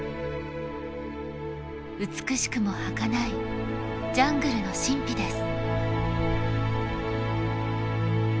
美しくもはかないジャングルの神秘です。